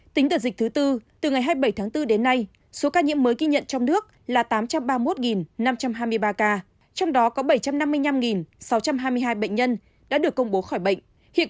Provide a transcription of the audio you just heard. tính đợt dịch thứ tư từ ngày hai mươi bảy tháng bốn đến nay số ca nhiễm mới ghi nhận trong nước là tám trăm ba mươi một năm trăm hai mươi ba ca trong đó có bảy trăm năm mươi năm sáu trăm hai mươi hai bệnh nhân đã được công bố khỏi bệnh